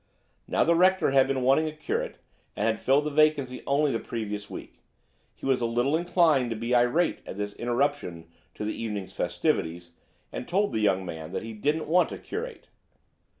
Now the Rector had been wanting a curate and had filled the vacancy only the previous week; he was a little inclined to be irate at this interruption to the evening's festivities, and told the young man that he didn't want a curate.